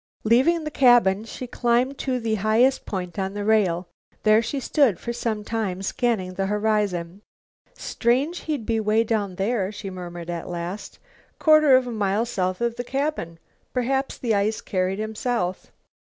Leaving the cabin, she climbed to the highest point on the rail. There she stood for some time scanning the horizon. "Strange he'd be way down there!" she murmured, at last. "Quarter of a mile south of the cabin. Perhaps the ice carried him south."